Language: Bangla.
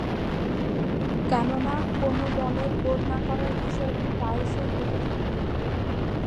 কেননা, কোন দলের গোল না করার বিষয়টি প্রায়শঃই ঘটে থাকে।